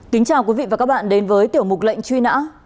kính chào quý vị và các bạn đến với tiểu mục lệnh truy nã